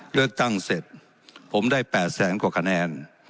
เลือกตั้งเสร็จผมได้๘แสนกว่าคะแนน